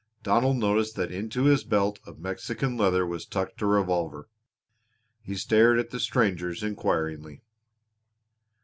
Donald noticed that into his belt of Mexican leather was tucked a revolver. He stared at the strangers inquiringly.